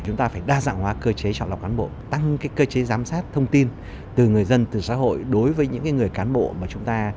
chúng ta phải đa dạng hóa cơ chế chọn lọc cán bộ tăng cơ chế giám sát thông tin từ người dân từ xã hội đối với những người cán bộ mà chúng ta